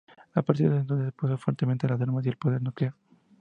A partir de entonces se opuso fuertemente al las armas y al poder nuclear.